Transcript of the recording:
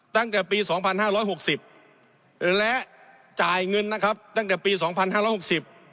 ตั้งแต่ปีสองพันห้าร้อยหกสิบและจ่ายเงินนะครับตั้งแต่ปีสองพันห้าร้อยหกสิบ